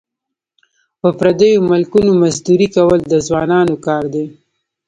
په پردیو ملکونو مزدوري کول د ځوانانو کار دی.